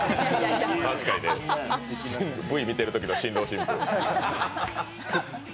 確かにね、Ｖ見てるときの新郎新婦。